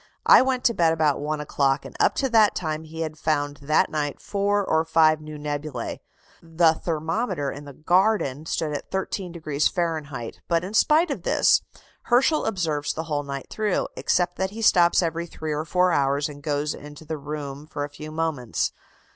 I went to bed about one o'clock, and up to that time he had found that night four or five new nebulæ. The thermometer in the garden stood at 13° Fahrenheit; but, in spite of this, Herschel observes the whole night through, except that he stops every three or four hours and goes into the room for a few moments.